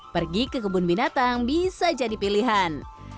pergi ke kebun binatang bisa jadi pilihan